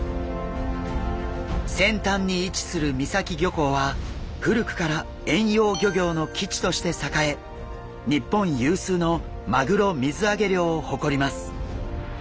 先端に位置する三崎漁港は古くから遠洋漁業の基地として栄え日本有数のマグロ水揚げ量を誇ります。